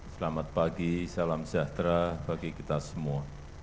selamat pagi salam sejahtera bagi kita semua